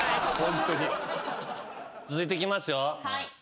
続いていきますよ。